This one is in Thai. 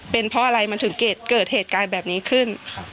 เป็นเพราะอะไรมันถึงเกิดเหตุการณ์แบบนี้ขึ้น